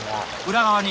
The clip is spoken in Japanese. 裏側に。